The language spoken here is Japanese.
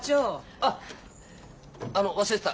あっあの忘れてた。